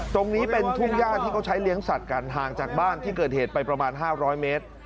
ตรงนี้เป็นทุ่งย่าที่เขาใช้เลี้ยงสัตว์กันห่างจากบ้านที่เกิดเหตุไปประมาณ๕๐๐เมตร